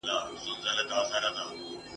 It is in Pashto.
چي شیخانو وي پخوا ایمان پلورلی ..